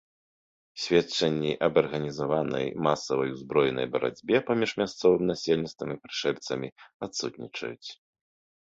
Сведчанні аб арганізаванай, масавай узброенай барацьбе паміж мясцовым насельніцтвам і прышэльцамі адсутнічаюць.